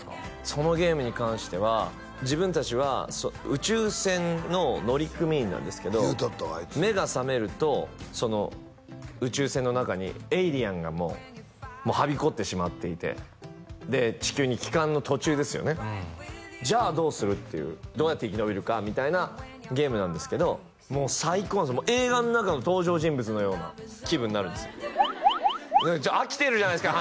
そのゲームに関しては自分達は宇宙船の乗組員なんですけど目が覚めるとその宇宙船の中にエイリアンがもうはびこってしまっていてで地球に帰還の途中ですよねじゃあどうする？っていうどうやって生き延びるかみたいなゲームなんですけどもう最高なんです映画の中の登場人物のような気分になるんですよ飽きてるじゃないですか